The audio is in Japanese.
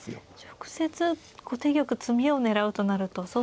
直接後手玉詰みを狙うとなると相当長手数に。